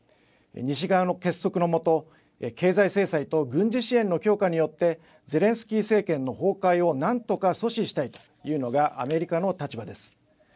西側の結束のもと経済制裁と軍事支援の強化によってゼレンスキー政権の崩壊をなんとか阻止したいというのがアメリカの立場です。